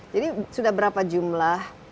jadi sudah berapa jumlah